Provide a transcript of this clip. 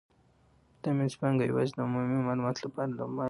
دا مینځپانګه یوازې د عمومي معلوماتو لپاره ده او مالي مشوره نه جوړوي.